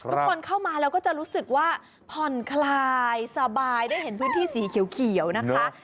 เข้ามาแล้วก็จะรู้สึกว่าผ่อนคลายสบายได้เห็นพื้นที่สีเขียวนะคะ